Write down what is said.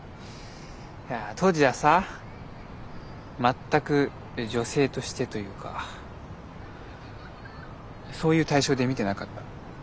当時はさ全く女性としてというかそういう対象で見てなかった。